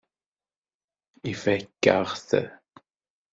Ifakk-aɣ-t.